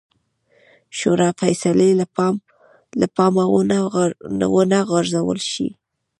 شورا فیصلې له پامه ونه غورځول شي.